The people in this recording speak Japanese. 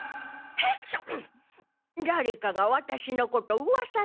ハクション！